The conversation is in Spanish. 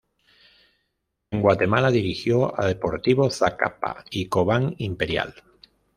En Guatemala dirigió a Deportivo Zacapa y Cobán Imperial.